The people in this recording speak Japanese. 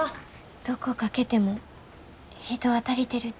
どこかけても人は足りてるて。